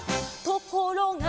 「ところが」